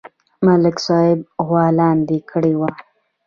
ملک صاحب غوا لاندې کړې وه